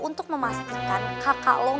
untuk memastikan kakak lo